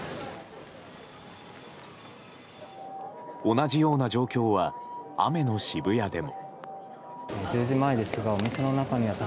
同じような状況は雨の渋谷でも。